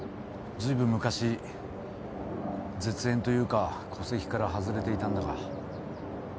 ずいぶん昔絶縁というか戸籍から外れていたんだが。